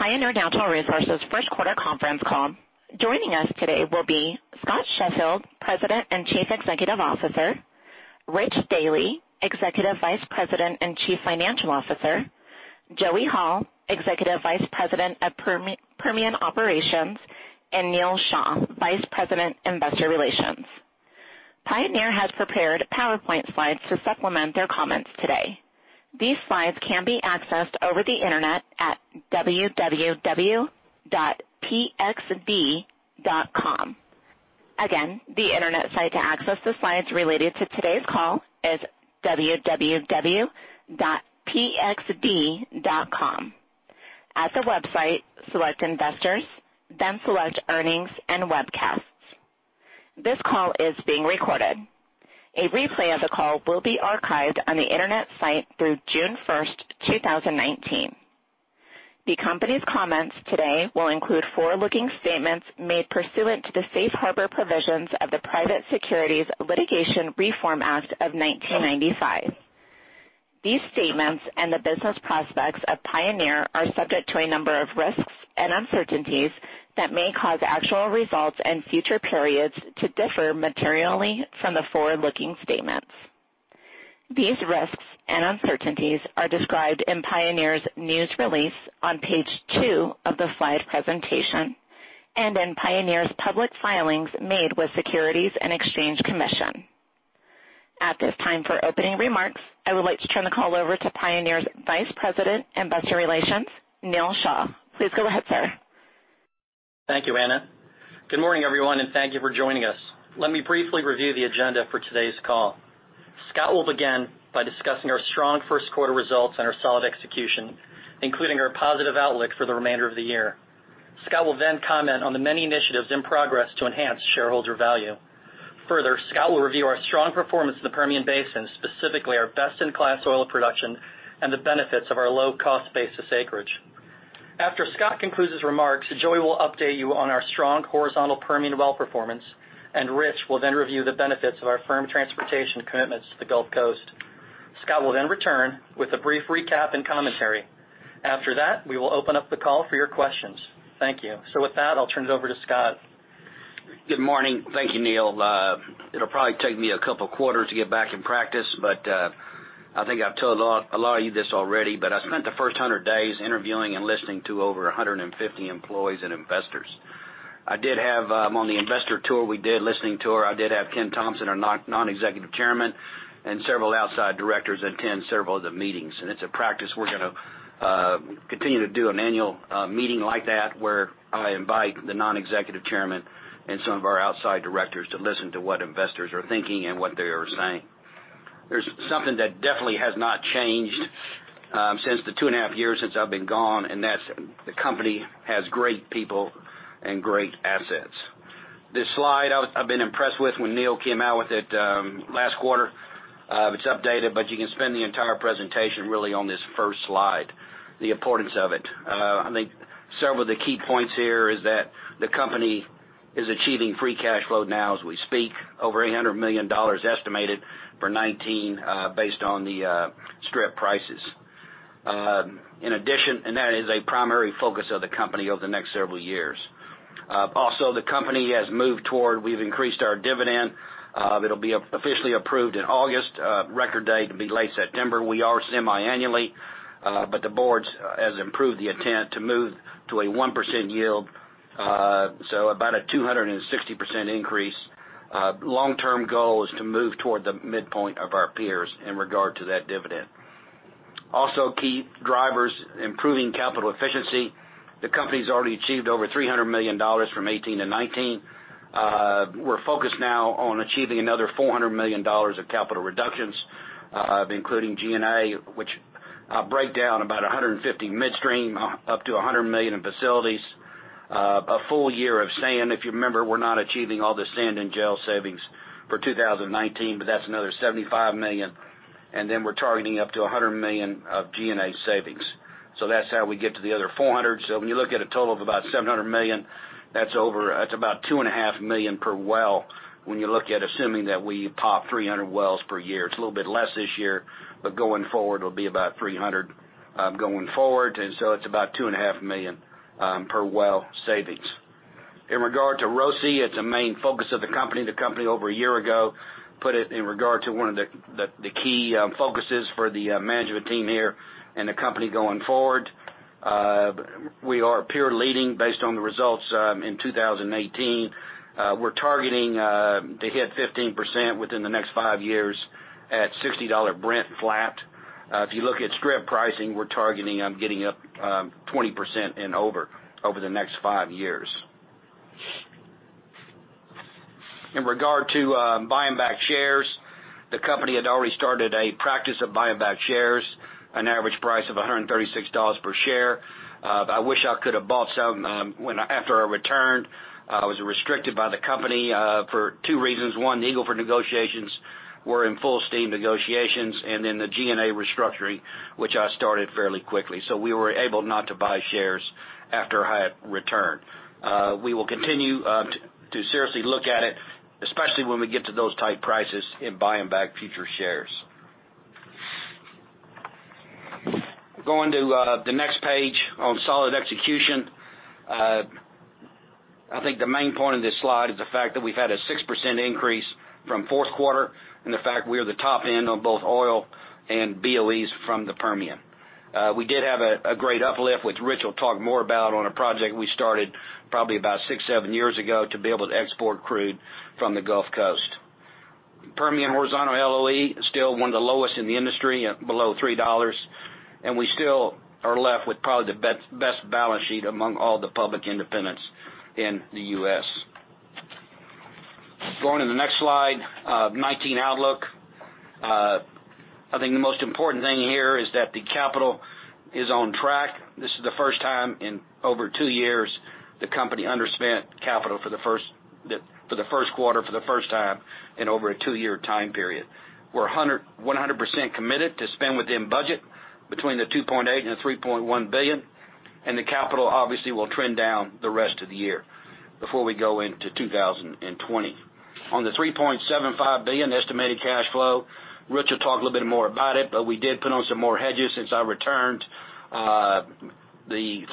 To Pioneer Natural Resources first quarter conference call. Joining us today will be Scott Sheffield, President and Chief Executive Officer, Rich Dealy, Executive Vice President and Chief Financial Officer, Joey Hall, Executive Vice President of Permian Operations, and Neal Shah, Vice President, Investor Relations. Pioneer has prepared PowerPoint slides to supplement their comments today. These slides can be accessed over the Internet at www.pxd.com. Again, the Internet site to access the slides related to today's call is www.pxd.com. At the website, select Investors, then select Earnings and Webcasts. This call is being recorded. A replay of the call will be archived on the Internet site through June 1st, 2019. The company's comments today will include forward-looking statements made pursuant to the safe harbor provisions of the Private Securities Litigation Reform Act of 1995. These statements and the business prospects of Pioneer are subject to a number of risks and uncertainties that may cause actual results in future periods to differ materially from the forward-looking statements. These risks and uncertainties are described in Pioneer's news release on page two of the slide presentation, and in Pioneer's public filings made with Securities and Exchange Commission. At this time, for opening remarks, I would like to turn the call over to Pioneer's Vice President, Investor Relations, Neal Shah. Please go ahead, sir. Thank you, Anna. Good morning, everyone, and thank you for joining us. Let me briefly review the agenda for today's call. Scott will begin by discussing our strong first quarter results and our solid execution, including our positive outlook for the remainder of the year. Scott will then comment on the many initiatives in progress to enhance shareholder value. Further, Scott will review our strong performance in the Permian Basin, specifically our best-in-class oil production and the benefits of our low-cost basis acreage. After Scott concludes his remarks, Joey will update you on our strong horizontal Permian well performance, and Rich will then review the benefits of our firm transportation commitments to the Gulf Coast. Scott will then return with a brief recap and commentary. After that, we will open up the call for your questions. Thank you. With that, I'll turn it over to Scott. Good morning. Thank you, Neal. It'll probably take me a couple quarters to get back in practice, but I think I've told a lot of you this already, but I spent the first 100 days interviewing and listening to over 150 employees and investors. I did have on the investor tour we did, listening tour, I did have Ken Thompson, our non-executive chairman, and several outside directors attend several of the meetings. It's a practice we're going to continue to do an annual meeting like that, where I invite the non-executive chairman and some of our outside directors to listen to what investors are thinking and what they are saying. There's something that definitely has not changed since the two and a half years since I've been gone, that's the company has great people and great assets. This slide I've been impressed with when Neal came out with it last quarter. It's updated, but you can spend the entire presentation really on this first slide, the importance of it. I think several of the key points here is that the company is achieving free cash flow now as we speak, over $800 million estimated for 2019, based on the strip prices. That is a primary focus of the company over the next several years. The company has moved toward, we've increased our dividend. It'll be officially approved in August. Record date will be late September. We are semi-annually, the board has approved the intent to move to a 1% yield, so about a 260% increase. Long-term goal is to move toward the midpoint of our peers in regard to that dividend. Key drivers, improving capital efficiency. The company's already achieved over $300 million from 2018 to 2019. We're focused now on achieving another $400 million of capital reductions, including G&A, which break down about $150 million midstream up to $100 million in facilities. A full year of sand, if you remember, we're not achieving all the sand and gel savings for 2019, but that's another $75 million, then we're targeting up to $100 million of G&A savings. That's how we get to the other 400. When you look at a total of about $700 million, that's about $2.5 million per well, when you look at assuming that we pop 300 wells per year. It's a little bit less this year, but going forward it'll be about 300 going forward. It's about $2.5 million per well savings. In regard to ROCE, it's a main focus of the company. The company over a year ago put it in regard to one of the key focuses for the management team here and the company going forward. We are peer leading based on the results in 2018. We're targeting to hit 15% within the next five years at $60 Brent flat. If you look at strip pricing, we're targeting on getting up 20% and over the next five years. In regard to buying back shares, the company had already started a practice of buying back shares, an average price of $136 per share. I wish I could have bought some after I returned. I was restricted by the company for two reasons. One, the Eagle Ford negotiations were in full steam negotiations, the G&A restructuring, which I started fairly quickly. We were able not to buy shares after I had returned. We will continue to seriously look at it, especially when we get to those tight prices in buying back future shares. Going to the next page on solid execution. I think the main point of this slide is the fact that we've had a 6% increase from fourth quarter, the fact we are the top end on both oil and BOEs from the Permian. We did have a great uplift, which Rich will talk more about, on a project we started probably about six, seven years ago to be able to export crude from the Gulf Coast. Permian horizontal LOE is still one of the lowest in the industry, below $3. We still are left with probably the best balance sheet among all the public independents in the U.S. Going to the next slide, 2019 outlook. I think the most important thing here is that the capital is on track. This is the first time in over two years the company underspent capital for the first quarter for the first time in over a two-year time period. We're 100% committed to spend within budget between the $2.8 billion and the $3.1 billion, the capital obviously will trend down the rest of the year before we go into 2020. On the $3.75 billion estimated cash flow, Rich will talk a little bit more about it, we did put on some more hedges since I returned. We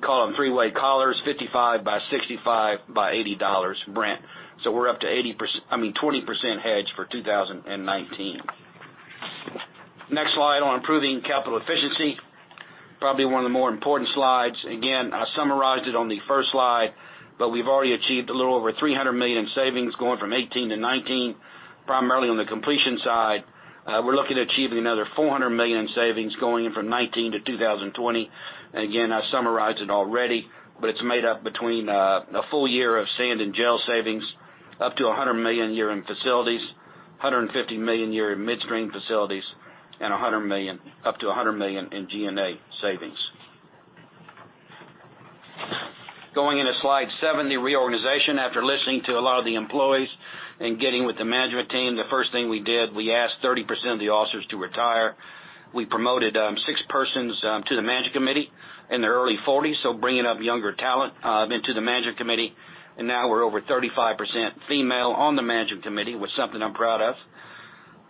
call them three-way collars, 55 by 65 by $80 Brent. We're up to 20% hedge for 2019. Next slide on improving capital efficiency. Probably one of the more important slides. Again, I summarized it on the first slide, we've already achieved a little over $300 million in savings going from 2018 to 2019, primarily on the completion side. We're looking at achieving another $400 million in savings going in from 2019 to 2020. Again, I summarized it already, it's made up between a full year of sand and gel savings, up to $100 million a year in facilities, $150 million a year in midstream facilities, and up to $100 million in G&A savings. Going into slide seven, the reorganization. After listening to a lot of the employees and getting with the management team, the first thing we did, we asked 30% of the officers to retire. We promoted six persons to the management committee in their early 40s, bringing up younger talent into the management committee, now we're over 35% female on the management committee, which is something I'm proud of.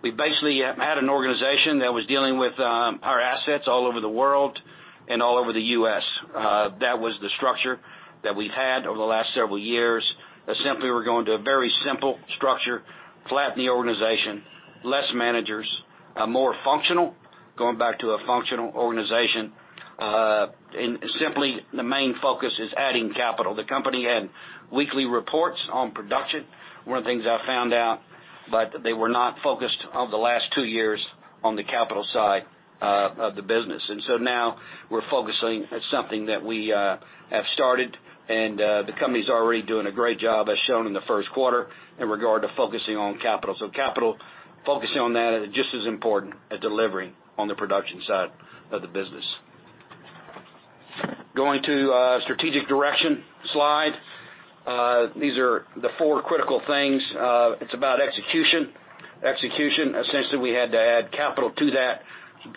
We basically had an organization that was dealing with our assets all over the world and all over the U.S. That was the structure that we've had over the last several years. Simply, we're going to a very simple structure, flattening the organization, less managers, more functional. Going back to a functional organization. Simply, the main focus is adding capital. The company had weekly reports on production, one of the things I found out, they were not focused, over the last two years, on the capital side of the business. Now we're focusing. It's something that we have started, the company's already doing a great job, as shown in the first quarter, in regard to focusing on capital. Capital, focusing on that is just as important as delivering on the production side of the business. Going to strategic direction slide. These are the four critical things. It's about execution. Execution, essentially, we had to add capital to that.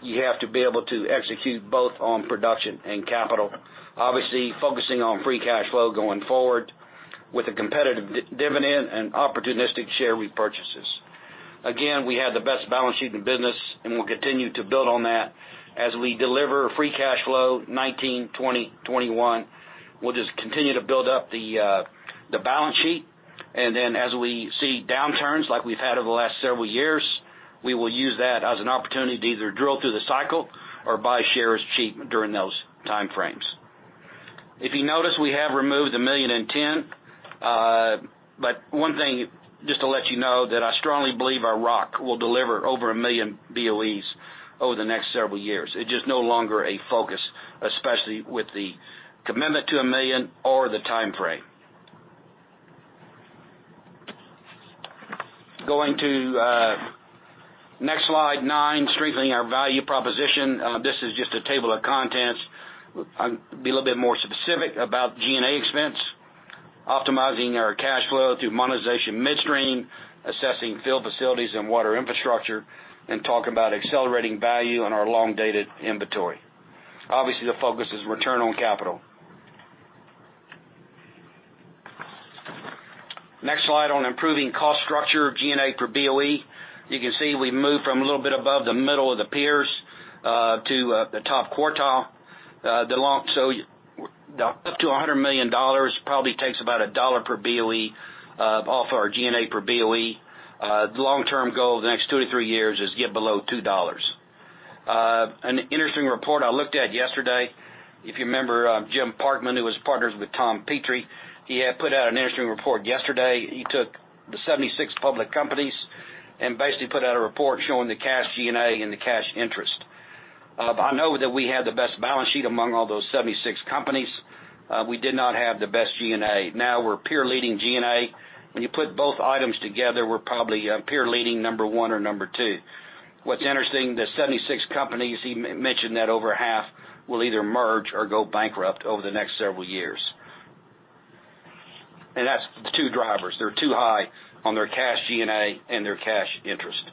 You have to be able to execute both on production and capital. Obviously, focusing on free cash flow going forward with a competitive dividend and opportunistic share repurchases. Again, we have the best balance sheet in the business, we'll continue to build on that as we deliver free cash flow 2019, 2020, 2021. We'll just continue to build up the balance sheet, and then as we see downturns like we've had over the last several years, we will use that as an opportunity to either drill through the cycle or buy shares cheap during those time frames. If you notice, we have removed $1.1 million, but one thing, just to let you know, that I strongly believe our rock will deliver over 1 million BOEs over the next several years. It's just no longer a focus, especially with the commitment to 1 million or the time frame. Going to next slide nine, strengthening our value proposition. This is just a table of contents. I'll be a little bit more specific about G&A expense, optimizing our cash flow through monetization midstream, assessing field facilities and water infrastructure, and talking about accelerating value on our long-dated inventory. Obviously, the focus is return on capital. Next slide on improving cost structure of G&A per BOE. You can see we've moved from a little bit above the middle of the peers, to the top quartile. Up to $100 million probably takes about $1 per BOE off our G&A per BOE. The long-term goal the next two to three years is to get below $2. An interesting report I looked at yesterday, if you remember Jim Parkman, who was partners with Tom Petrie, he had put out an interesting report yesterday. He took the 76 public companies and basically put out a report showing the cash G&A and the cash interest. I know that we had the best balance sheet among all those 76 companies. We did not have the best G&A. Now we're peer-leading G&A. When you put both items together, we're probably peer-leading number one or number two. What's interesting, the 76 companies, he mentioned that over half will either merge or go bankrupt over the next several years. That's two drivers. They're too high on their cash G&A and their cash interest.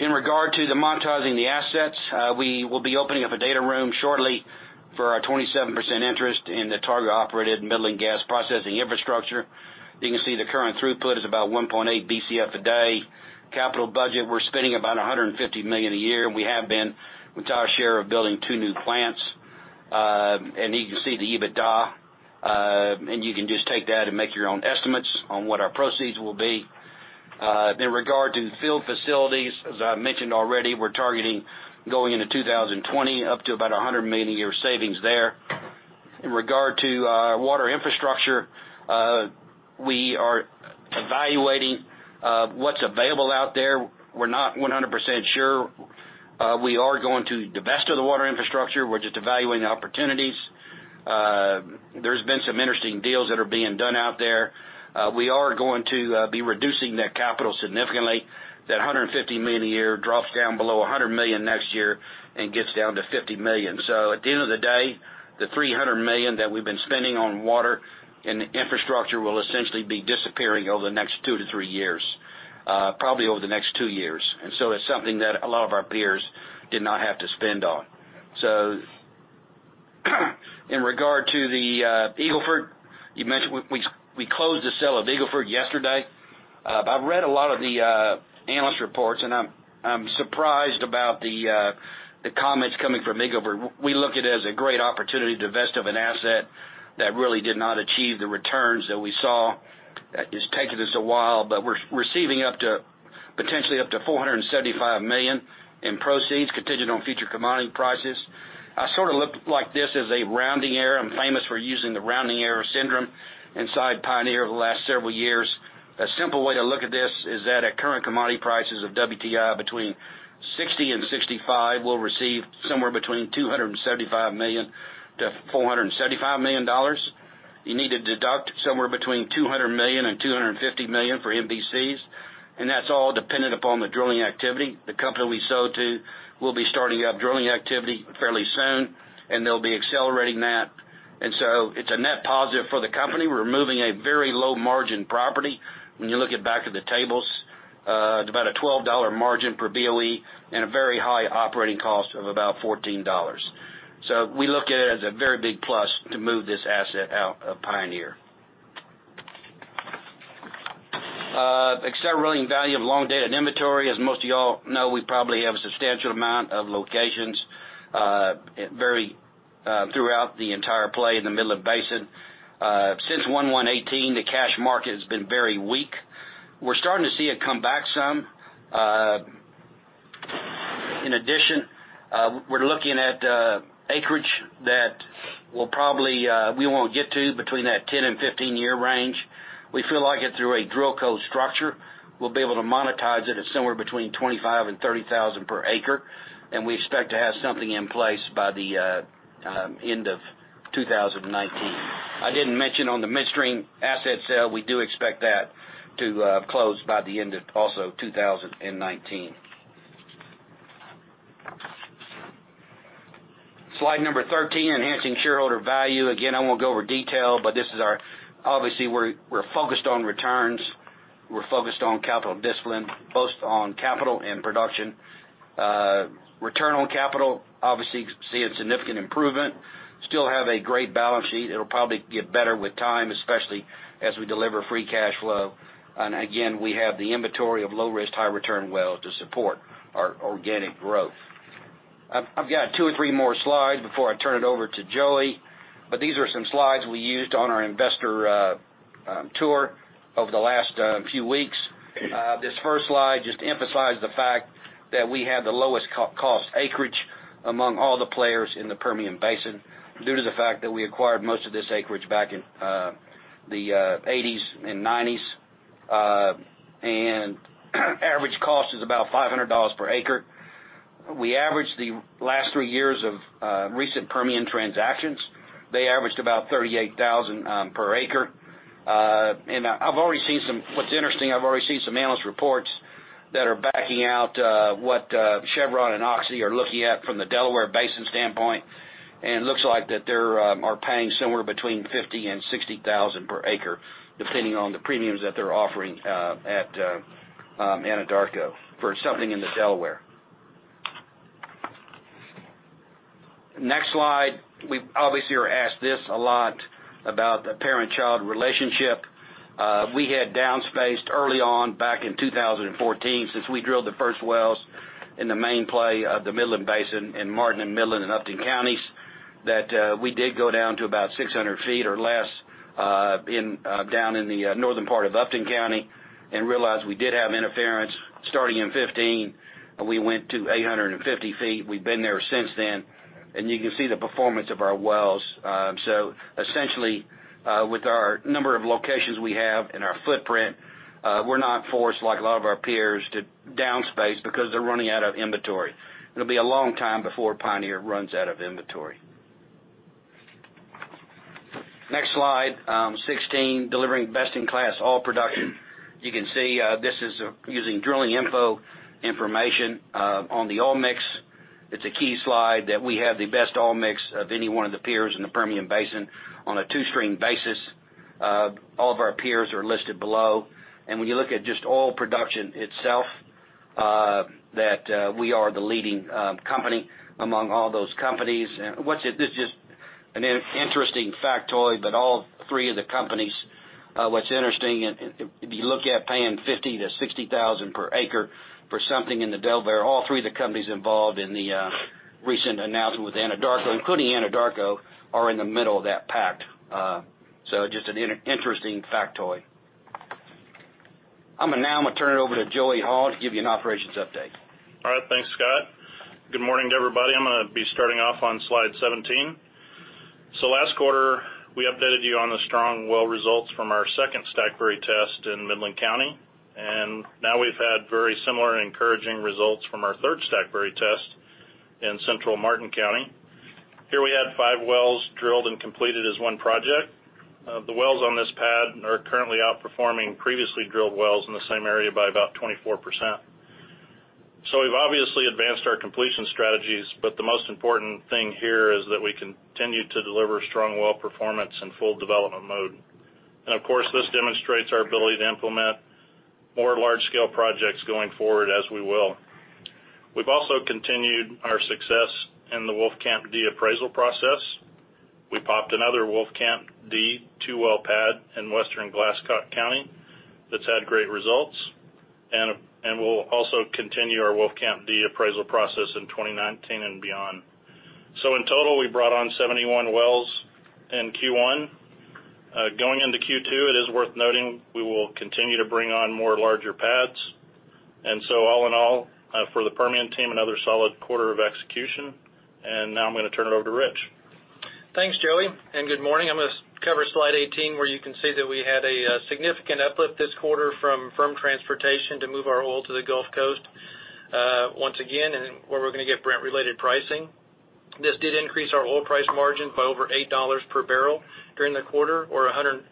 In regard to the monetizing the assets, we will be opening up a data room shortly for our 27% interest in the Targa-operated Midland gas processing infrastructure. You can see the current throughput is about 1.8 Bcf a day. Capital budget, we're spending about $150 million a year, and we have been with our share of building two new plants. You can see the EBITDA, and you can just take that and make your own estimates on what our proceeds will be. In regard to field facilities, as I mentioned already, we're targeting going into 2020 up to about $100 million a year of savings there. In regard to our water infrastructure, we are evaluating what's available out there. We're not 100% sure. We are going to divest of the water infrastructure. We're just evaluating the opportunities. There's been some interesting deals that are being done out there. We are going to be reducing that capital significantly. That $150 million a year drops down below $100 million next year and gets down to $50 million. At the end of the day, the $300 million that we've been spending on water and infrastructure will essentially be disappearing over the next two to three years. Probably over the next two years. It's something that a lot of our peers did not have to spend on. In regard to the Eagle Ford, we closed the sale of Eagle Ford yesterday. I've read a lot of the analyst reports. I'm surprised about the comments coming from Eagle Ford. We look at it as a great opportunity to divest of an asset that really did not achieve the returns that we saw. It's taken us a while, but we're receiving potentially up to $475 million in proceeds contingent on future commodity prices. I sort of look like this as a rounding error. I'm famous for using the rounding error syndrome inside Pioneer over the last several years. A simple way to look at this is that at current commodity prices of WTI between 60 and 65, we'll receive somewhere between $275 million-$475 million. You need to deduct somewhere between $200 million and $250 million for NPCs, and that's all dependent upon the drilling activity. The company we sold to will be starting up drilling activity fairly soon, and they'll be accelerating that. It's a net positive for the company. We're moving a very low-margin property. When you look back at the tables, it's about a $12 margin per BOE and a very high operating cost of about $14. We look at it as a very big plus to move this asset out of Pioneer. Accelerating value of long dated inventory. As most of you all know, we probably have a substantial amount of locations throughout the entire play in the Midland Basin. Since 11/18, the cash market has been very weak. We're starting to see it come back some. In addition, we're looking at acreage that we won't get to between that 10 and 15 year range. We feel like if through a DrillCo structure, we'll be able to monetize it at somewhere between $25,000 and $30,000 per acre, and we expect to have something in place by the end of 2019. I didn't mention on the midstream asset sale, we do expect that to close by the end of also 2019. Slide number 13, enhancing shareholder value. Again, I won't go over detail, but obviously, we're focused on returns. We're focused on capital discipline, both on capital and production. Return on capital, obviously seeing significant improvement. Still have a great balance sheet. It'll probably get better with time, especially as we deliver free cash flow. Again, we have the inventory of low-risk, high-return wells to support our organic growth. I've got two or three more slides before I turn it over to Joey, but these are some slides we used on our investor tour over the last few weeks. This first slide just emphasized the fact that we have the lowest cost acreage among all the players in the Permian Basin due to the fact that we acquired most of this acreage back in the '80s and '90s. Average cost is about $500 per acre. We averaged the last three years of recent Permian transactions. They averaged about $38,000 per acre. What's interesting, I've already seen some analyst reports that are backing out what Chevron and Oxy are looking at from the Delaware Basin standpoint, and looks like that they are paying somewhere between $50,000 and $60,000 per acre, depending on the premiums that they're offering at Anadarko for something in the Delaware. Next slide. We obviously are asked this a lot about the parent-child relationship. We had down-spaced early on back in 2014, since we drilled the first wells in the main play of the Midland Basin in Martin and Midland and Upton counties, that we did go down to about 600 feet or less down in the northern part of Upton County and realized we did have interference. Starting in 2015, we went to 850 feet. We've been there since then, you can see the performance of our wells. Essentially, with our number of locations we have and our footprint, we're not forced, like a lot of our peers, to down-space because they're running out of inventory. It'll be a long time before Pioneer runs out of inventory. Next slide 16, delivering best-in-class oil production. You can see, this is using DrillingInfo information on the oil mix. It's a key slide that we have the best oil mix of any one of the peers in the Permian Basin on a two-string basis. All of our peers are listed below. When you look at just oil production itself, that we are the leading company among all those companies. This is just an interesting factoid, all three of the companies, what's interesting, if you look at paying $50,000-$60,000 per acre for something in the Delaware, all three of the companies involved in the recent announcement with Anadarko, including Anadarko, are in the middle of that pack. Just an interesting factoid. Now I'm going to turn it over to Joey Hall to give you an operations update. All right. Thanks, Scott. Good morning to everybody. I'm going to be starting off on slide 17. Last quarter, we updated you on the strong well results from our second Stackberry test in Midland County. Now we've had very similar encouraging results from our third Stackberry test in central Martin County. Here we had five wells drilled and completed as one project. The wells on this pad are currently outperforming previously drilled wells in the same area by about 24%. We've obviously advanced our completion strategies, the most important thing here is that we continue to deliver strong well performance in full development mode. Of course, this demonstrates our ability to implement more large-scale projects going forward as we will. We've also continued our success in the Wolfcamp D appraisal process. We popped another Wolfcamp D two-well pad in western Glasscock County that's had great results, we'll also continue our Wolfcamp D appraisal process in 2019 and beyond. In total, we brought on 71 wells in Q1. Going into Q2, it is worth noting we will continue to bring on more larger pads, all in all, for the Permian team, another solid quarter of execution. Now I'm going to turn it over to Rich. Thanks, Joey, and good morning. I'm going to cover slide 18, where you can see that we had a significant uplift this quarter from firm transportation to move our oil to the Gulf Coast once again, and where we're going to get Brent-related pricing. This did increase our oil price margin by over $8 per barrel during the quarter or added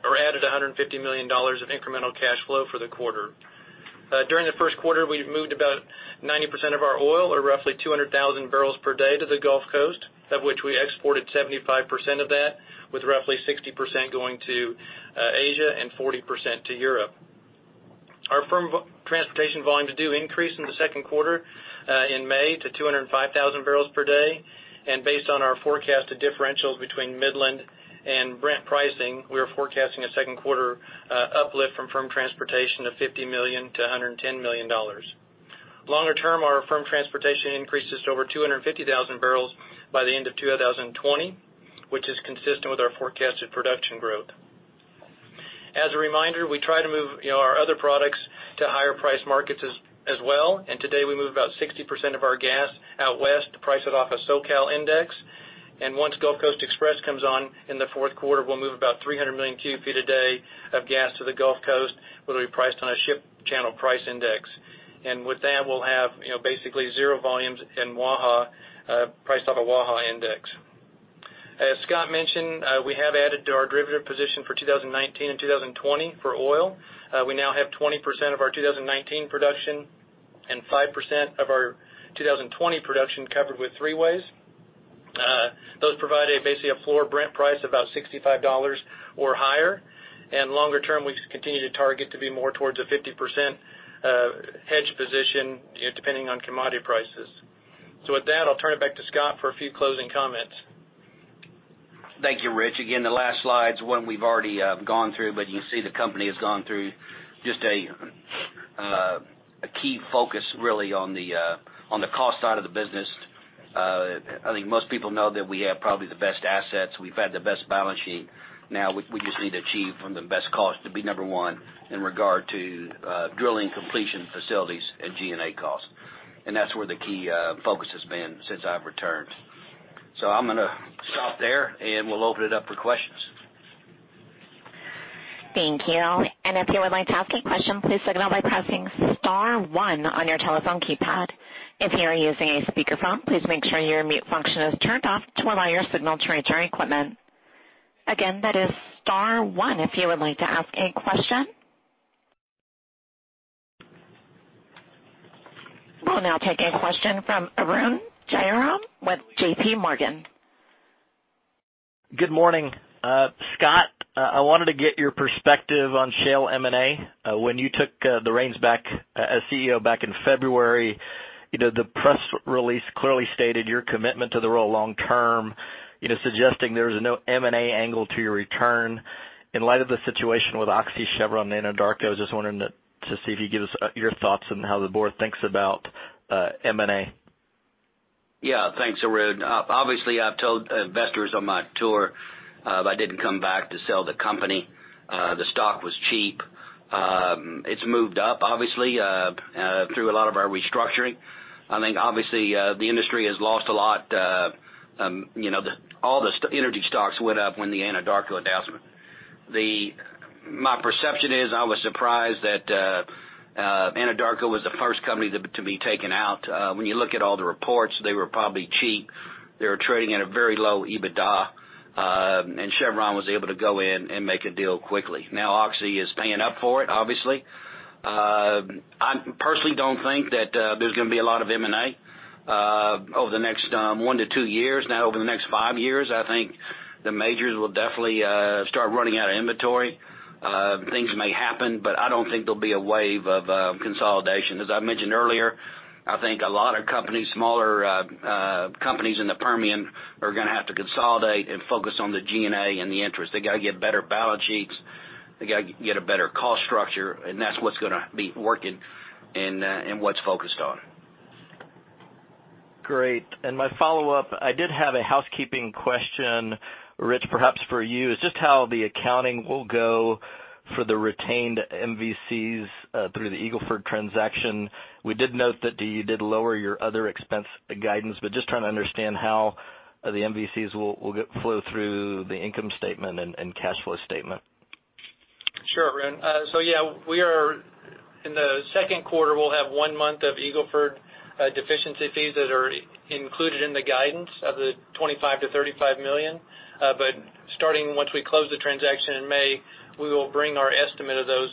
$150 million of incremental cash flow for the quarter. During the first quarter, we've moved about 90% of our oil or roughly 200,000 barrels per day to the Gulf Coast, of which we exported 75% of that, with roughly 60% going to Asia and 40% to Europe. Our firm transportation volumes do increase in the second quarter, in May, to 205,000 barrels per day. Based on our forecasted differentials between Midland and Brent pricing, we are forecasting a second quarter uplift from firm transportation of $50 million-$110 million. Longer term, our firm transportation increases to over 250,000 barrels by the end of 2020, which is consistent with our forecasted production growth. As a reminder, we try to move our other products to higher priced markets as well. Today, we move about 60% of our gas out West to price it off of SoCal index. Once Gulf Coast Express comes on in the fourth quarter, we'll move about 300 million cubic feet a day of gas to the Gulf Coast, where it will be priced on a Ship Channel price index. With that, we'll have basically zero volumes in Waha, priced off a Waha index. As Scott mentioned, we have added to our derivative position for 2019 and 2020 for oil. We now have 20% of our 2019 production and 5% of our 2020 production covered with three-ways. Those provide basically a floor Brent price about $65 or higher, and longer term, we continue to target to be more towards a 50% hedge position, depending on commodity prices. With that, I'll turn it back to Scott for a few closing comments. Thank you, Rich. Again, the last slide's one we've already gone through, but you see the company has gone through just a key focus really on the cost side of the business. I think most people know that we have probably the best assets. We've had the best balance sheet. Now we just need to achieve on the best cost to be number 1 in regard to Drilling, Completion, Facilities and G&A costs. That's where the key focus has been since I've returned. I'm going to stop there, and we'll open it up for questions. Thank you. If you would like to ask a question, please signal by pressing *1 on your telephone keypad. If you are using a speakerphone, please make sure your mute function is turned off to allow your signal to reach our equipment. Again, that is *1 if you would like to ask a question. We'll now take a question from Arun Jayaram with JPMorgan. Good morning. Scott, I wanted to get your perspective on Shale M&A. When you took the reins back as CEO back in February, the press release clearly stated your commitment to the role long term, suggesting there was no M&A angle to your return. In light of the situation with Oxy, Chevron, and Anadarko, I was just wondering to see if you'd give us your thoughts on how the board thinks about M&A. Yeah. Thanks, Arun. Obviously, I've told investors on my tour that I didn't come back to sell the company. The stock was cheap. It's moved up, obviously, through a lot of our restructuring. I think obviously, the industry has lost a lot. All the energy stocks went up when the Anadarko announcement. My perception is I was surprised that Anadarko was the first company to be taken out. When you look at all the reports, they were probably cheap. They were trading at a very low EBITDA, and Chevron was able to go in and make a deal quickly. Now Oxy is paying up for it, obviously. I personally don't think that there's going to be a lot of M&A over the next one to two years. Over the next five years, I think the majors will definitely start running out of inventory. Things may happen, I don't think there'll be a wave of consolidation. As I mentioned earlier, I think a lot of companies, smaller companies in the Permian, are going to have to consolidate and focus on the G&A and the interest. They got to get better balance sheets. They got to get a better cost structure, and that's what's going to be working and what's focused on. My follow-up, I did have a housekeeping question, Rich, perhaps for you. It's just how the accounting will go for the retained MVCs through the Eagle Ford transaction. We did note that you did lower your other expense guidance, just trying to understand how the MVCs will flow through the income statement and cash flow statement. Sure, Ryan. Yeah, in the second quarter, we'll have one month of Eagle Ford deficiency fees that are included in the guidance of the $25 million to $35 million. Starting once we close the transaction in May, we will bring our estimate of those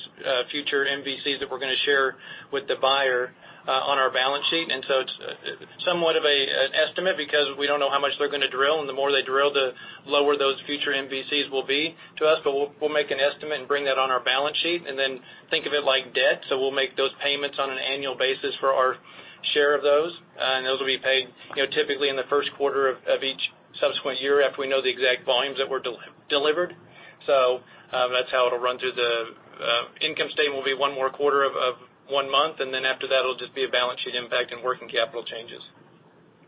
future MVCs that we're going to share with the buyer on our balance sheet. It's somewhat of an estimate because we don't know how much they're going to drill, and the more they drill, the lower those future MVCs will be to us. We'll make an estimate and bring that on our balance sheet and then think of it like debt. We'll make those payments on an annual basis for our share of those. Those will be paid typically in the first quarter of each subsequent year after we know the exact volumes that were delivered. That's how it'll run through the income statement, will be one more quarter of one month, then after that, it'll just be a balance sheet impact and working capital changes.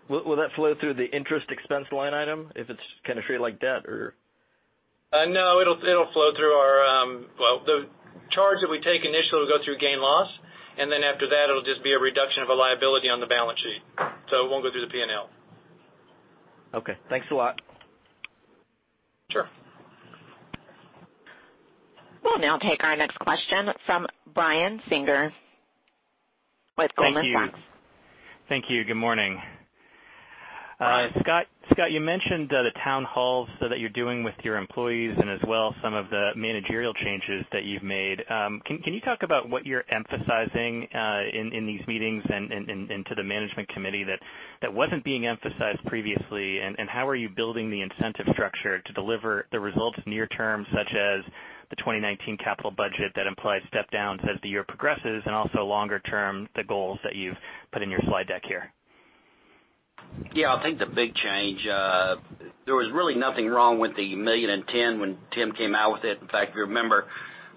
Will that flow through the interest expense line item if it's treated like debt? No, the charge that we take initially will go through gain loss, and then after that, it'll just be a reduction of a liability on the balance sheet. It won't go through the P&L. Okay. Thanks a lot. Sure. We'll now take our next question from Brian Singer with Goldman Sachs. Thank you. Good morning. Hi. Scott, you mentioned the town halls that you're doing with your employees as well, some of the managerial changes that you've made. Can you talk about what you're emphasizing in these meetings and to the management committee that wasn't being emphasized previously? How are you building the incentive structure to deliver the results near term, such as the 2019 capital budget that implies step downs as the year progresses and also longer term, the goals that you've put in your slide deck here? Yeah, I think the big change, there was really nothing wrong with the million and ten when Tim came out with it. In fact, if you remember,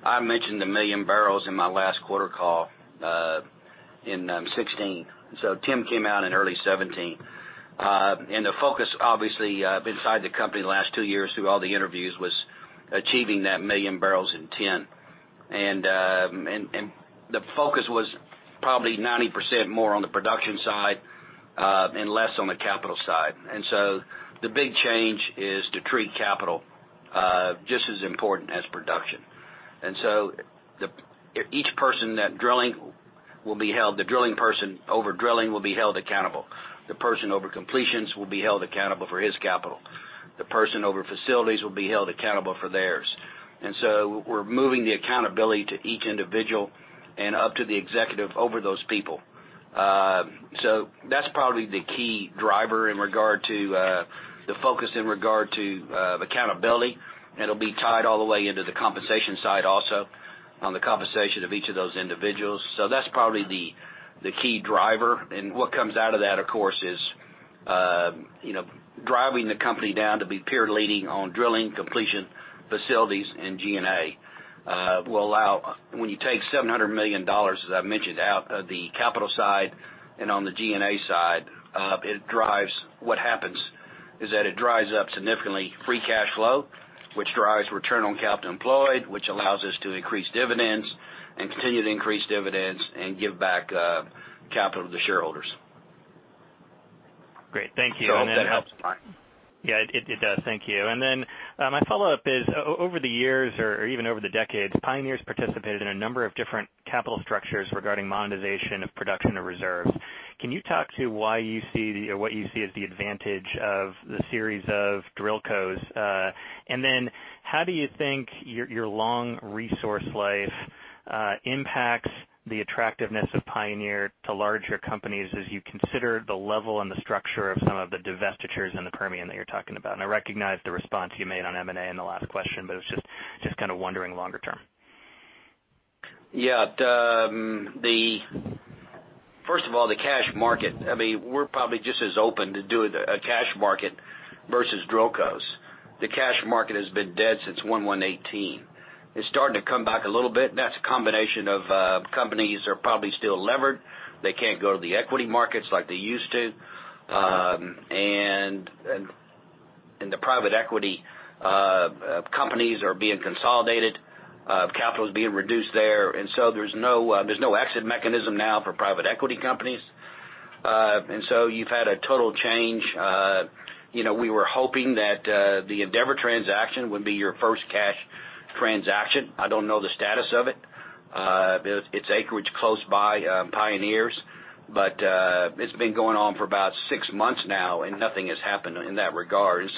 I mentioned the million barrels in my last quarter call in 2016. Tim came out in early 2017. The focus, obviously, inside the company the last two years through all the interviews was achieving that million barrels and ten. The focus was probably 90% more on the production side and less on the capital side. The big change is to treat capital just as important as production. The drilling person over drilling will be held accountable. The person over completions will be held accountable for his capital. The person over facilities will be held accountable for theirs. We're moving the accountability to each individual and up to the executive over those people. That's probably the key driver in regard to the focus in regard to accountability, and it'll be tied all the way into the compensation side also on the compensation of each of those individuals. That's probably the key driver. What comes out of that, of course, is driving the company down to be peer leading on drilling completion facilities and G&A. When you take $700 million, as I mentioned, out of the capital side and on the G&A side, what happens is that it drives up significantly free cash flow, which drives return on capital employed, which allows us to increase dividends and continue to increase dividends and give back capital to shareholders. Great. Thank you. I hope that helps. It does. Thank you. My follow-up is, over the years or even over the decades, Pioneer's participated in a number of different capital structures regarding monetization of production or reserves. Can you talk to what you see as the advantage of the series of DrillCos? How do you think your long resource life impacts the attractiveness of Pioneer to larger companies as you consider the level and the structure of some of the divestitures in the Permian that you're talking about? I recognize the response you made on M&A in the last question, but it's just wondering longer term. First of all, the cash market, we're probably just as open to doing a cash market versus DrillCos. The cash market has been dead since 118. It's starting to come back a little bit, that's a combination of companies are probably still levered. They can't go to the equity markets like they used to. The private equity companies are being consolidated. Capital is being reduced there's no exit mechanism now for private equity companies. You've had a total change. We were hoping that the Endeavor transaction would be your first cash transaction. I don't know the status of it. It's acreage close by Pioneer's. But it's been going on for about six months now, nothing has happened in that regard.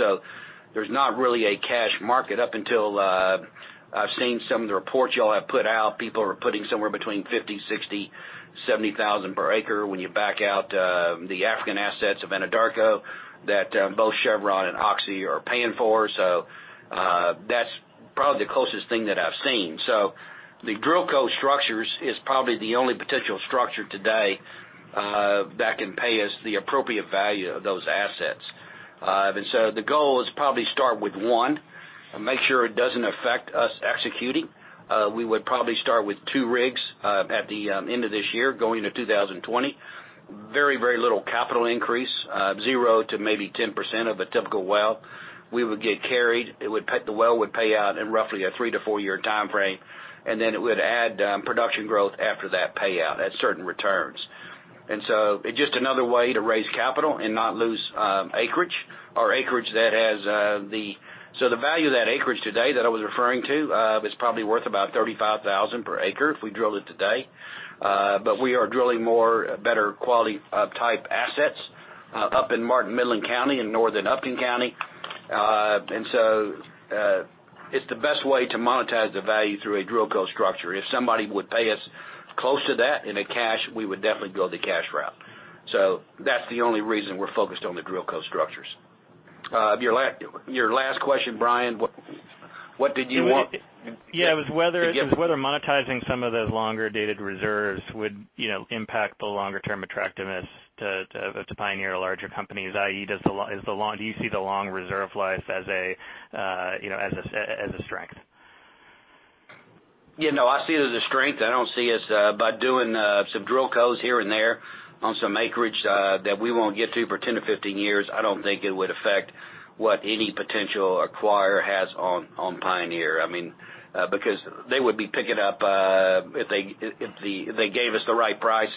There's not really a cash market up until I've seen some of the reports y'all have put out. People are putting somewhere between $50,000, $60,000, $70,000 per acre when you back out the African assets of Anadarko that both Chevron and Oxy are paying for. That's probably the closest thing that I've seen. The DrillCo structures is probably the only potential structure today that can pay us the appropriate value of those assets. The goal is probably start with one and make sure it doesn't affect us executing. We would probably start with two rigs at the end of this year going into 2020. Very little capital increase, zero to maybe 10% of a typical well. We would get carried. The well would pay out in roughly a three- to four-year timeframe, then it would add production growth after that payout at certain returns. It's just another way to raise capital and not lose acreage. The value of that acreage today that I was referring to is probably worth about $35,000 per acre if we drilled it today. We are drilling more better quality type assets up in Martin Midland County and northern Upton County. It's the best way to monetize the value through a DrillCo structure. If somebody would pay us close to that in a cash, we would definitely go the cash route. That's the only reason we're focused on the DrillCo structures. Your last question, Brian, what did you want? Yeah, it was whether monetizing some of the longer-dated reserves would impact the longer-term attractiveness to Pioneer or larger companies, i.e., do you see the long reserve life as a strength? Yeah, no, I see it as a strength. I don't see us by doing some DrillCos here and there on some acreage that we won't get to for 10 to 15 years. I don't think it would affect what any potential acquirer has on Pioneer. They would be picking up, if they gave us the right price,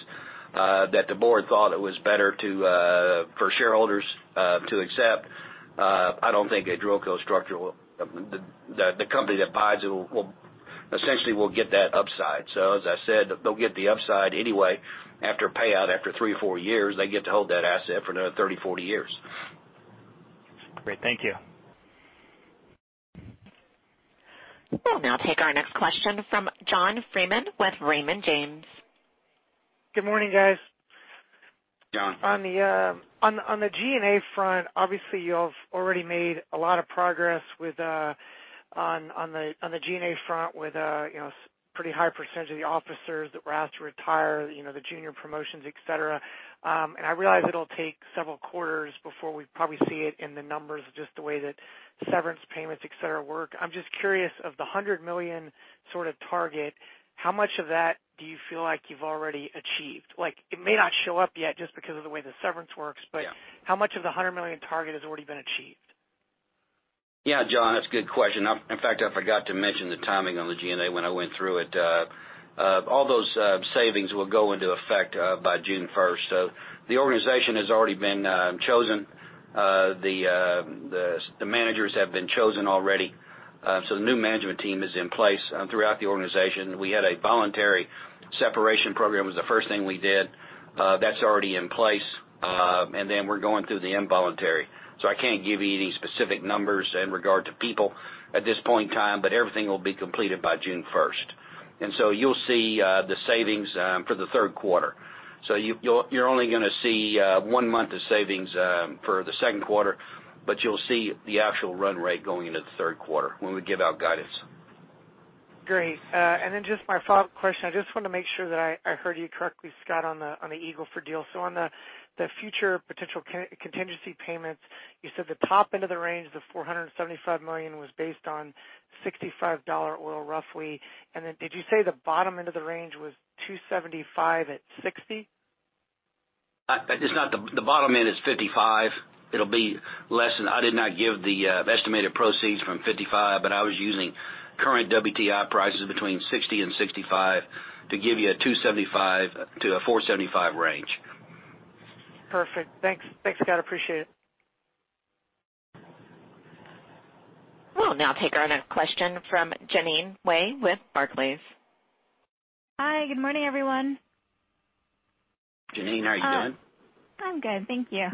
that the board thought it was better for shareholders to accept. I don't think a DrillCo structure will essentially get that upside. As I said, they'll get the upside anyway after a payout after three or four years. They get to hold that asset for another 30, 40 years. Great. Thank you. We'll now take our next question from John Freeman with Raymond James. Good morning, guys. John. On the G&A front, obviously, you have already made a lot of progress on the G&A front with a pretty high percentage of the officers that were asked to retire, the junior promotions, et cetera. I realize it'll take several quarters before we probably see it in the numbers, just the way that severance payments, et cetera, work. I'm just curious of the $100 million target, how much of that do you feel like you've already achieved? It may not show up yet just because of the way the severance works- Yeah. -how much of the $100 million target has already been achieved? John, that's a good question. In fact, I forgot to mention the timing on the G&A when I went through it. All those savings will go into effect by June 1st. The organization has already been chosen. The managers have been chosen already. The new management team is in place throughout the organization. We had a voluntary separation program was the first thing we did. That's already in place. Then we're going through the involuntary. I can't give you any specific numbers in regard to people at this point in time, but everything will be completed by June 1st. You'll see the savings for the third quarter. You're only going to see one month of savings for the second quarter, but you'll see the actual run rate going into the third quarter when we give out guidance. Great. Then just my follow-up question, I just want to make sure that I heard you correctly, Scott, on the Eagle Ford deal. On the future potential contingency payments, you said the top end of the range, the $475 million, was based on $65 oil, roughly. Then did you say the bottom end of the range was $275 at $60? The bottom end is $55. It'll be less than. I did not give the estimated proceeds from $55, but I was using current WTI prices between $60 and $65 to give you a $275 to a $475 range. Perfect. Thanks, Scott, appreciate it. We'll now take our next question from Jeanine Wai with Barclays. Hi, good morning, everyone. Jeanine, how are you doing? I'm good, thank you.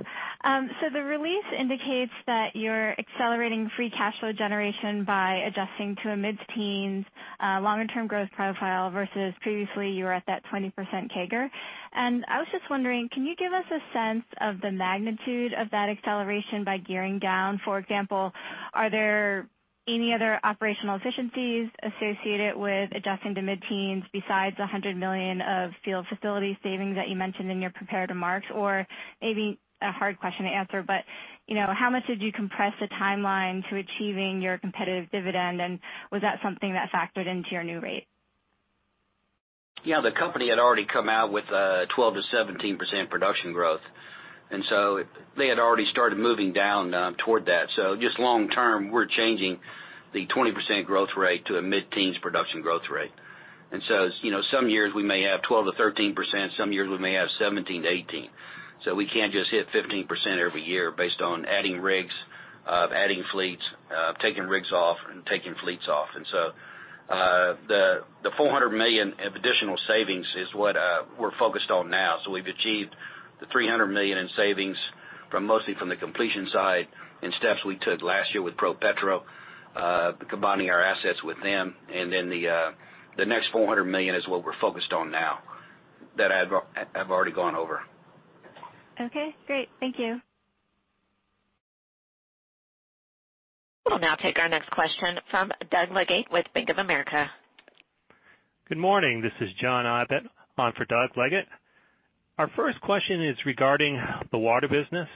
The release indicates that you're accelerating free cash flow generation by adjusting to a mid-teens longer-term growth profile versus previously you were at that 20% CAGR. I was just wondering, can you give us a sense of the magnitude of that acceleration by gearing down? For example, are there any other operational efficiencies associated with adjusting to mid-teens besides the $100 million of field facility savings that you mentioned in your prepared remarks? Or maybe a hard question to answer, but how much did you compress the timeline to achieving your competitive dividend, and was that something that factored into your new rate? The company had already come out with a 12%-17% production growth. They had already started moving down toward that. Just long term, we're changing the 20% growth rate to a mid-teens production growth rate. Some years we may have 12%-13%, some years we may have 17%-18%. We can't just hit 15% every year based on adding rigs, adding fleets, taking rigs off, and taking fleets off. The $400 million of additional savings is what we're focused on now. We've achieved the $300 million in savings, mostly from the completion side and steps we took last year with ProPetro, combining our assets with them. The next $400 million is what we're focused on now, that I've already gone over. Okay, great. Thank you. We'll now take our next question from Doug Leggate with Bank of America. Good morning. This is John Abbott on for Doug Leggate. Our first question is regarding the water business.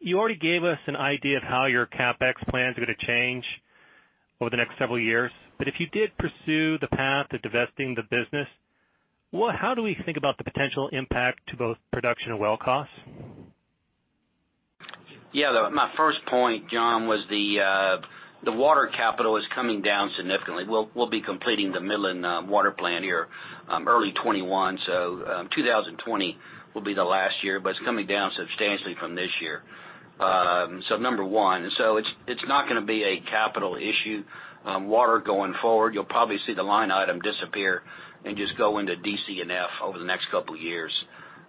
You already gave us an idea of how your CapEx plans are going to change over the next several years, but if you did pursue the path to divesting the business, how do we think about the potential impact to both production and well costs? Yeah, my first point, John, was the water capital is coming down significantly. We'll be completing the Midland water plant here early 2021. 2020 will be the last year, but it's coming down substantially from this year. Number one. It's not going to be a capital issue, water going forward. You'll probably see the line item disappear and just go into DC&F over the next couple of years.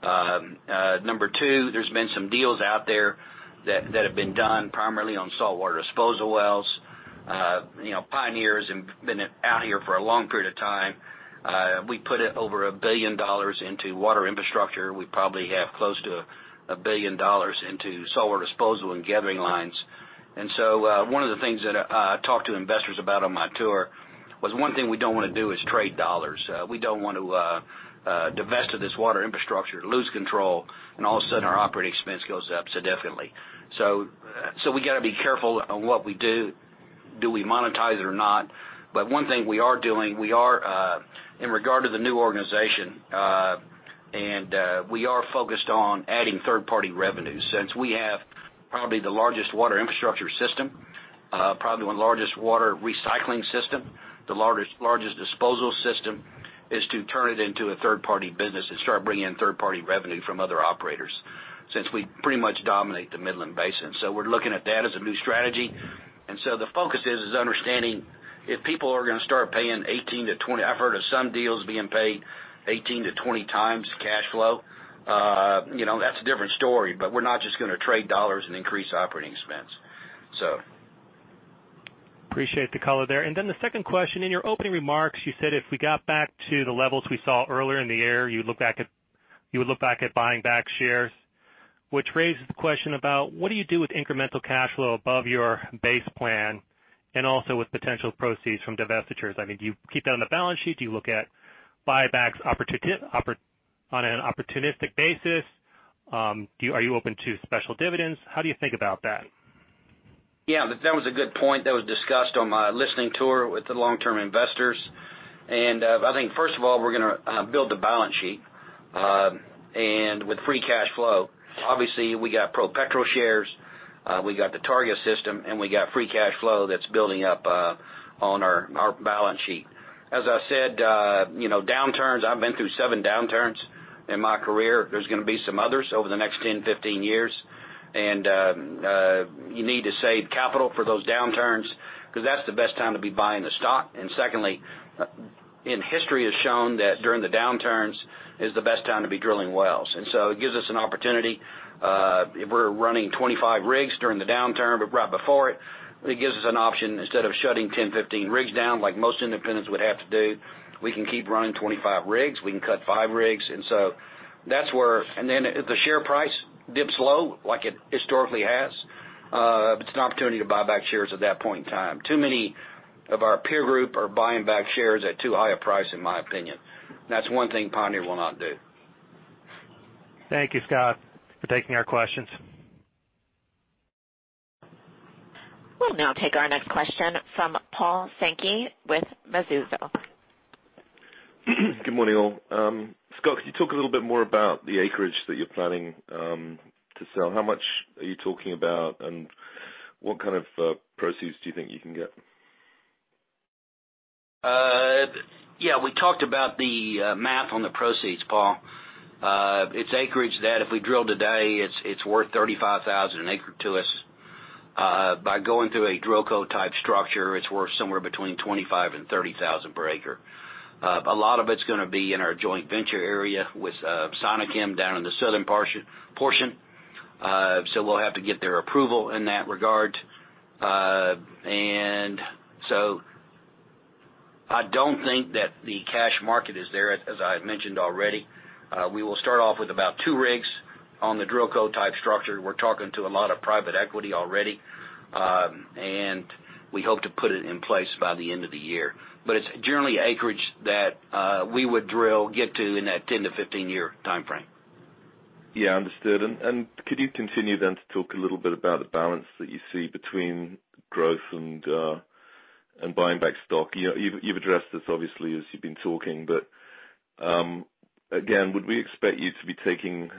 Number two, there's been some deals out there that have been done primarily on saltwater disposal wells. Pioneer has been out here for a long period of time. We put over $1 billion into water infrastructure. We probably have close to $1 billion into saltwater disposal and gathering lines. One of the things that I talked to investors about on my tour was one thing we don't want to do is trade dollars. We don't want to divest of this water infrastructure, lose control, and all of a sudden our operating expense goes up significantly. We got to be careful on what we do. Do we monetize it or not? One thing we are doing, in regard to the new organization, we are focused on adding third-party revenue. Since we have probably the largest water infrastructure system, probably one of the largest water recycling system, the largest disposal system, is to turn it into a third-party business and start bringing in third-party revenue from other operators, since we pretty much dominate the Midland Basin. We're looking at that as a new strategy. The focus is understanding if people are going to start paying 18 to 20, I've heard of some deals being paid 18-20 times cash flow. That's a different story, we're not just going to trade dollars and increase operating expense. Appreciate the color there. The second question, in your opening remarks, you said if we got back to the levels we saw earlier in the year, you would look back at buying back shares, which raises the question about what do you do with incremental cash flow above your base plan and also with potential proceeds from divestitures? Do you keep that on the balance sheet? Do you look at buybacks on an opportunistic basis? Are you open to special dividends? How do you think about that? Yeah, that was a good point. That was discussed on my listening tour with the long-term investors. I think, first of all, we're going to build the balance sheet. With free cash flow, obviously, we got ProPetro shares, we got the Targa system, we got free cash flow that's building up on our balance sheet. As I said, downturns, I've been through seven downturns in my career. There's going to be some others over the next 10, 15 years. You need to save capital for those downturns because that's the best time to be buying the stock. Secondly, history has shown that during the downturns is the best time to be drilling wells. It gives us an opportunity. If we're running 25 rigs during the downturn, but right before it gives us an option. Instead of shutting 10, 15 rigs down, like most independents would have to do, we can keep running 25 rigs. We can cut five rigs. Then if the share price dips low, like it historically has, it's an opportunity to buy back shares at that point in time. Too many of our peer group are buying back shares at too high a price, in my opinion. That's one thing Pioneer will not do. Thank you, Scott, for taking our questions. We'll now take our next question from Paul Sankey with Mizuho. Good morning, all. Scott, can you talk a little bit more about the acreage that you're planning to sell? How much are you talking about, and what kind of proceeds do you think you can get? We talked about the math on the proceeds, Paul. It's acreage that if we drill today, it's worth $35,000 an acre to us. By going through a DrillCo-type structure, it's worth somewhere between $25,000 and $30,000 per acre. A lot of it's going to be in our joint venture area with Sinochem down in the southern portion. We'll have to get their approval in that regard. I don't think that the cash market is there, as I mentioned already. We will start off with about two rigs on the DrillCo-type structure. We're talking to a lot of private equity already. We hope to put it in place by the end of the year. It's generally acreage that we would drill, get to in that 10-15-year timeframe. Understood. Could you continue then to talk a little bit about the balance that you see between growth and buying back stock? You've addressed this, obviously, as you've been talking, but again, would we expect you to be taking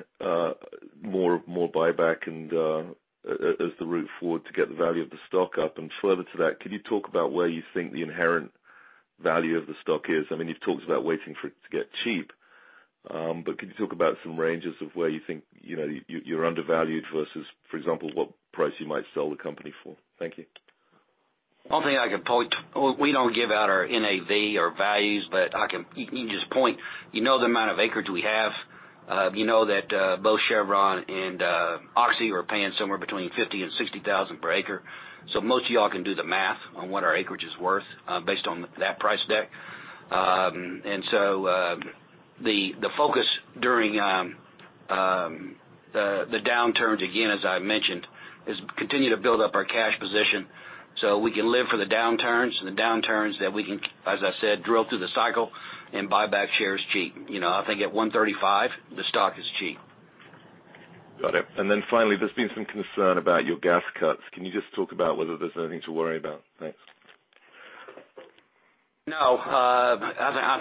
more buyback as the route forward to get the value of the stock up? Further to that, could you talk about where you think the inherent Value of the stock is. You've talked about waiting for it to get cheap, can you talk about some ranges of where you think you're undervalued versus, for example, what price you might sell the company for? Thank you. We don't give out our NAV or values, but I can, you just point, you know the amount of acreage we have. You know that both Chevron and Oxy were paying somewhere between 50,000 and 60,000 per acre. Most of y'all can do the math on what our acreage is worth based on that price deck. The focus during the downturns, again, as I mentioned, is continue to build up our cash position so we can live for the downturns that we can, as I said, drill through the cycle and buy back shares cheap. I think at 135, the stock is cheap. Got it. Finally, there's been some concern about your gas cuts. Can you just talk about whether there's anything to worry about? Thanks. No. I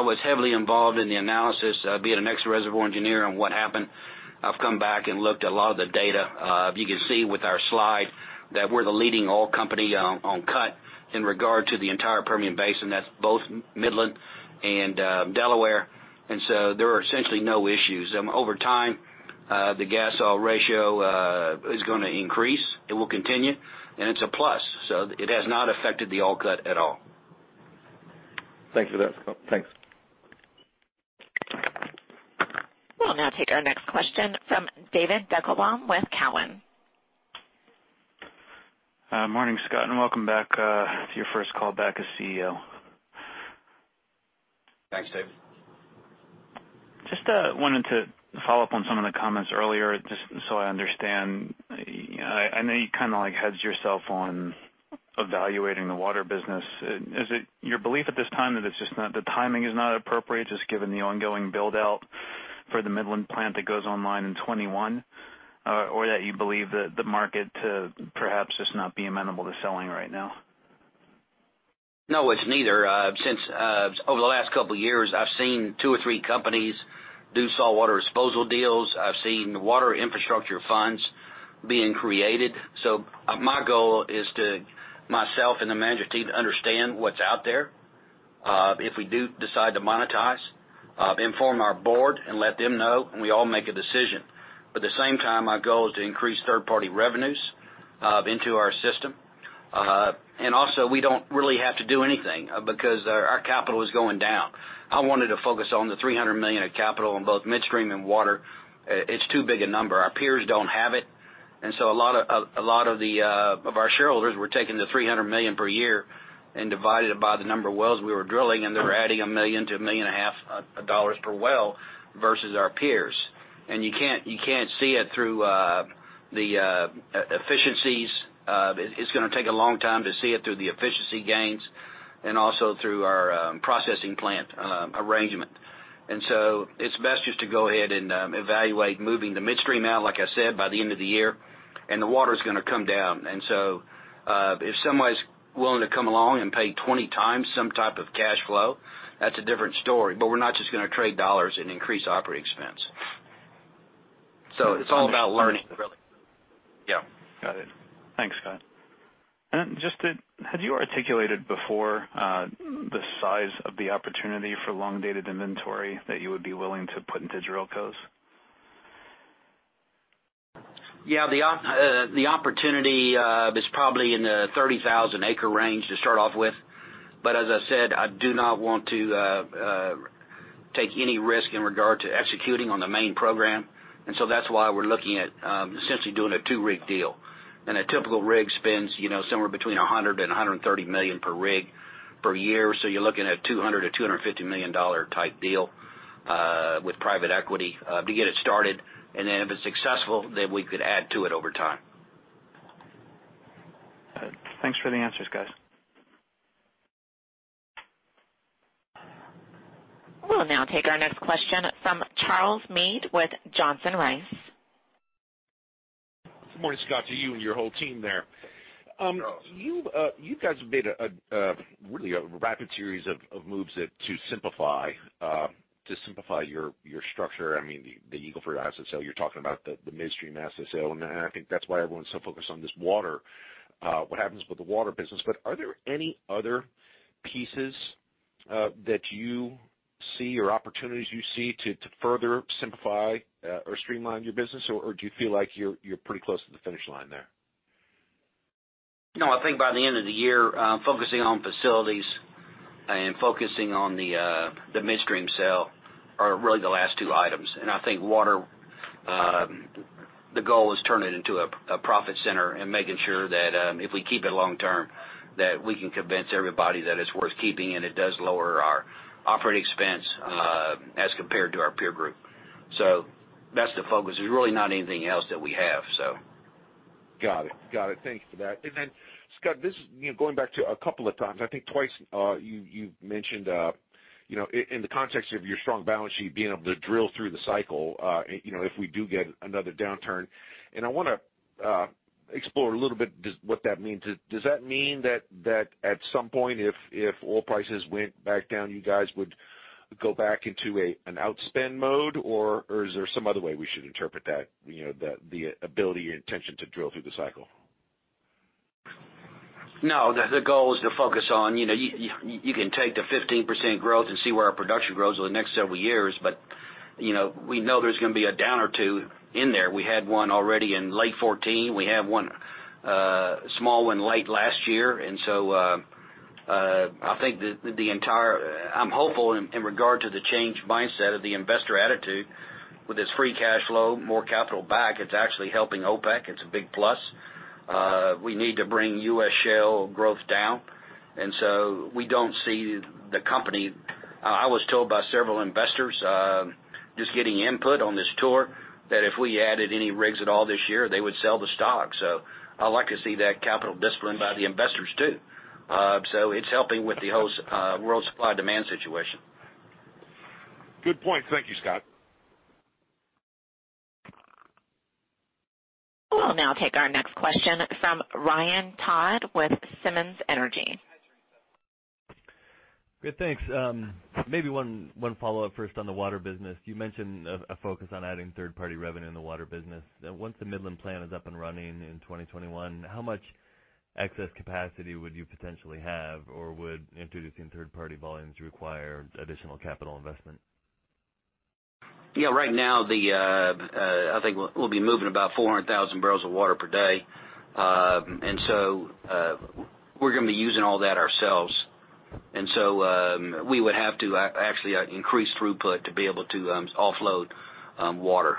was heavily involved in the analysis, being an ex-reservoir engineer, on what happened. I've come back and looked at a lot of the data. You can see with our slide that we're the leading oil company on cut in regard to the entire Permian Basin, that's both Midland and Delaware. There are essentially no issues. Over time, the gas-oil ratio is going to increase. It will continue, and it's a plus, so it has not affected the oil cut at all. Thanks for that, Scott. Thanks. We'll now take our next question from David Deckelbaum with Cowen. Morning, Scott, and welcome back to your first call back as CEO. Thanks, Dave. Wanted to follow up on some of the comments earlier, just so I understand. I know you kind of hedged yourself on evaluating the water business. Is it your belief at this time that the timing is not appropriate, just given the ongoing build-out for the Midland plant that goes online in 2021? That you believe that the market to perhaps just not be amenable to selling right now? No, it's neither. Since over the last couple of years, I've seen two or three companies do saltwater disposal deals. I've seen water infrastructure funds being created. My goal is to, myself and the management team, to understand what's out there. If we do decide to monetize, inform our board and let them know, and we all make a decision. At the same time, my goal is to increase third-party revenues into our system. Also, we don't really have to do anything because our capital is going down. I wanted to focus on the $300 million of capital on both midstream and water. It's too big a number. Our peers don't have it. A lot of our shareholders were taking the $300 million per year and divided it by the number of wells we were drilling, and they were adding $1 million to $1.5 million per well versus our peers. You can't see it through the efficiencies. It's going to take a long time to see it through the efficiency gains and also through our processing plant arrangement. It's best just to go ahead and evaluate moving the midstream out, like I said, by the end of the year, and the water's going to come down. If somebody's willing to come along and pay 20 times some type of cash flow, that's a different story. We're not just going to trade dollars and increase OpEx. It's all about learning, really. Yeah. Got it. Thanks, Scott. Just to, had you articulated before, the size of the opportunity for long-dated inventory that you would be willing to put into DrillCos? Yeah. The opportunity is probably in the 30,000 acre range to start off with. As I said, I do not want to take any risk in regard to executing on the main program. That's why we're looking at essentially doing a two-rig deal. A typical rig spends somewhere between $100 million and $130 million per rig per year. You're looking at a $200 million to $250 million type deal with private equity to get it started. If it's successful, then we could add to it over time. Thanks for the answers, guys. We'll now take our next question from Charles Meade with Johnson Rice. Good morning, Scott, to you and your whole team there. You guys have made really a rapid series of moves to simplify your structure. The Eagle Ford asset sale, you're talking about the midstream asset sale, and I think that's why everyone's so focused on this water, what happens with the water business. Are there any other pieces that you see or opportunities you see to further simplify or streamline your business, or do you feel like you're pretty close to the finish line there? I think by the end of the year, focusing on facilities and focusing on the midstream sale are really the last two items. I think water, the goal is turn it into a profit center and making sure that if we keep it long term, that we can convince everybody that it's worth keeping, and it does lower our operating expense as compared to our peer group. That's the focus. There's really not anything else that we have. Got it. Thank you for that. Scott, this is going back to a couple of times, I think twice, you mentioned, in the context of your strong balance sheet, being able to drill through the cycle, if we do get another downturn. I want to explore a little what that means. Does that mean that at some point if oil prices went back down, you guys would go back into an outspend mode, or is there some other way we should interpret that? The ability or intention to drill through the cycle. No, the goal is to focus on. You can take the 15% growth and see where our production grows over the next several years. We know there's going to be a downer, too, in there. We had one already in late 2014. We have one small one late last year. I'm hopeful in regard to the change mindset of the investor attitude with this free cash flow, more capital back, it's actually helping OPEC. It's a big plus. We need to bring U.S. shale growth down. We don't see the company. I was told by several investors, just getting input on this tour, that if we added any rigs at all this year, they would sell the stock. I like to see that capital discipline by the investors, too. It's helping with the whole world supply-demand situation. Good point. Thank you, Scott. We'll now take our next question from Ryan Todd with Simmons Energy. Good, thanks. Maybe one follow-up first on the water business. You mentioned a focus on adding third-party revenue in the water business. Once the Midland plan is up and running in 2021, how much excess capacity would you potentially have, or would introducing third-party volumes require additional capital investment? Yeah. Right now, I think we'll be moving about 400,000 barrels of water per day. We're going to be using all that ourselves. We would have to actually increase throughput to be able to offload water.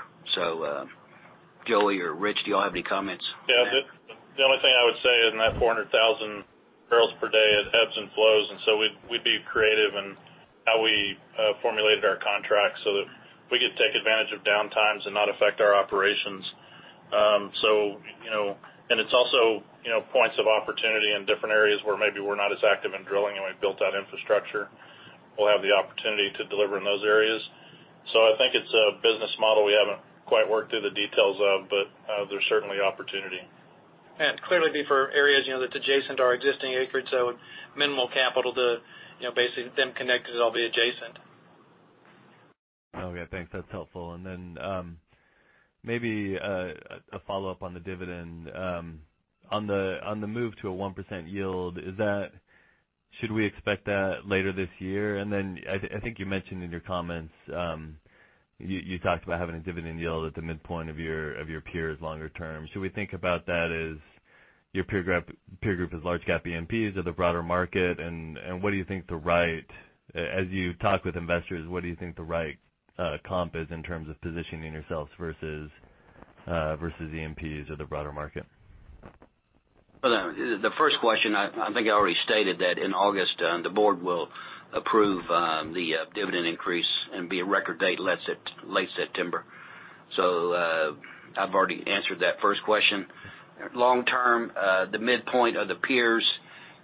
Joey or Rich, do y'all have any comments? Yeah. The only thing I would say in that 400,000 barrels per day, it ebbs and flows, and so we'd be creative in how we formulated our contract so that we could take advantage of downtimes and not affect our operations. It's also points of opportunity in different areas where maybe we're not as active in drilling, and we've built out infrastructure. We'll have the opportunity to deliver in those areas. I think it's a business model we haven't quite worked through the details of, but there's certainly opportunity. Clearly be for areas that's adjacent to our existing acreage, so minimal capital to basically then connect because it'll be adjacent. Okay, thanks. That's helpful. Maybe a follow-up on the dividend. On the move to a 1% yield, should we expect that later this year? I think you mentioned in your comments, you talked about having a dividend yield at the midpoint of your peers longer term. Should we think about that as your peer group as large cap E&Ps or the broader market? What do you think the right comp is in terms of positioning yourselves versus E&Ps or the broader market? The first question, I think I already stated that in August the board will approve the dividend increase and be a record date late September. I've already answered that first question. Long term, the midpoint of the peers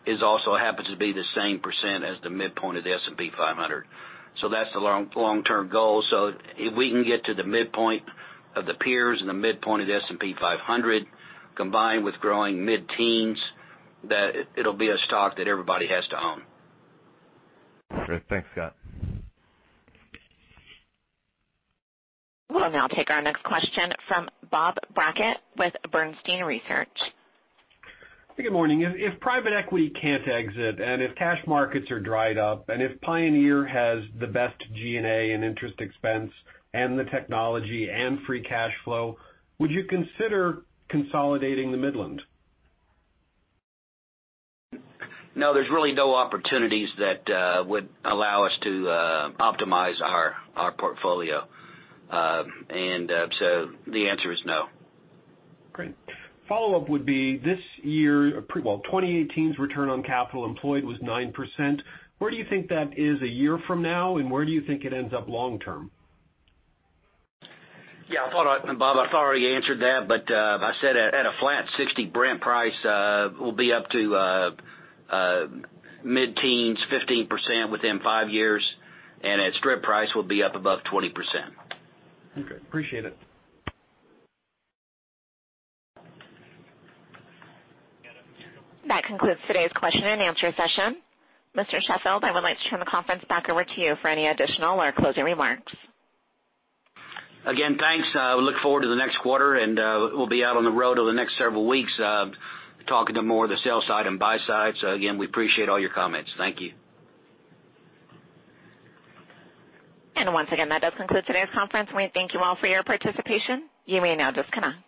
is also happens to be the same percent as the midpoint of the S&P 500. That's the long-term goal. If we can get to the midpoint of the peers and the midpoint of the S&P 500, combined with growing mid-teens, it'll be a stock that everybody has to own. Great. Thanks, Scott. We'll now take our next question from Bob Brackett with Bernstein Research. Good morning. If private equity can't exit, and if cash markets are dried up, and if Pioneer has the best G&A and interest expense, and the technology, and free cash flow, would you consider consolidating the Midland? No, there's really no opportunities that would allow us to optimize our portfolio. The answer is no. Great. Follow-up would be Well, 2018's return on capital employed was 9%. Where do you think that is a year from now, and where do you think it ends up long term? Yeah. Bob, I thought I already answered that, but I said at a flat 60 Brent price, we'll be up to mid-teens, 15% within five years, and at strip price we'll be up above 20%. Okay, appreciate it. That concludes today's question and answer session. Mr. Sheffield, I would like to turn the conference back over to you for any additional or closing remarks. Thanks. Look forward to the next quarter, and we'll be out on the road over the next several weeks talking to more of the sell side and buy side. Again, we appreciate all your comments. Thank you. Once again, that does conclude today's conference. We thank you all for your participation. You may now disconnect.